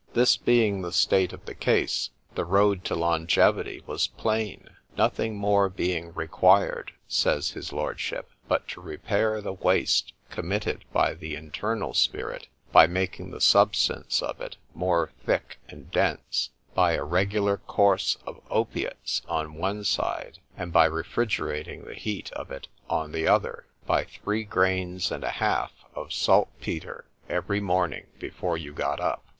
This being the state of the case, the road to longevity was plain; nothing more being required, says his lordship, but to repair the waste committed by the internal spirit, by making the substance of it more thick and dense, by a regular course of opiates on one side, and by refrigerating the heat of it on the other, by three grains and a half of salt petre every morning before you got up.